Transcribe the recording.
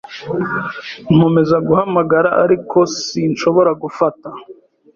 Nkomeza guhamagara, ariko sinshobora gufata .